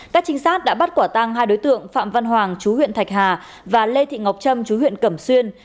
các trinh sát đã bắt quả tăng hai đối tượng phạm văn hoàng chú huyện thạch hà và lê thị ngọc trâm chú huyện cẩm xuyên